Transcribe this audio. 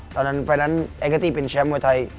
ตอนนั้นไฟแนนซ์แองเกอร์ตี้เป็นแชมป์มวยไทย